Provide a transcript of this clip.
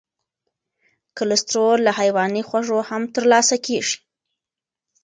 کلسترول له حیواني خوړو هم تر لاسه کېږي.